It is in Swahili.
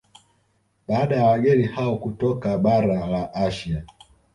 Baada ya wageni hao kutoka bara la Asia